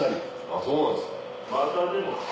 あぁそうなんですか。